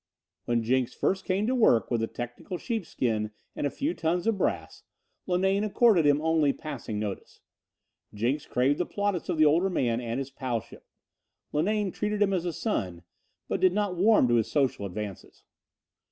When Jenks first came to work with a technical sheepskin and a few tons of brass, Linane accorded him only passing notice. Jenks craved the plaudits of the older man and his palship. Linane treated him as a son, but did not warm to his social advances.